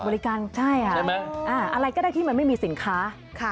บริการใช่อะไรก็ได้ที่มันไม่มีสินค้า